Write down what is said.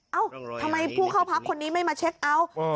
เอ้าทำไมผู้เข้าพักคนนี้ไม่มาเช็คเอาท์